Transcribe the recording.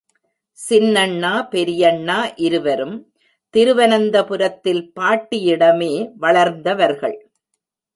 சின்னண்ணா பெரியண்ணா இருவரும் திருவனந்த புரத்தில் பாட்டியிடமே வளர்ந்தவர்கள்.